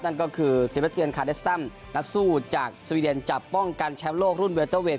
นั่นก็คือซีเมสเตียนคาเดสตัมนักสู้จากสวีเดนจะป้องกันแชมป์โลกรุ่นเวเตอร์เวท